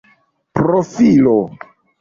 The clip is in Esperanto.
profilo